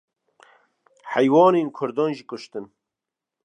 heywanên Kurdan jî kuştin.